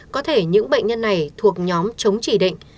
có thể những bệnh nhân này thuộc nhóm chống chỉ định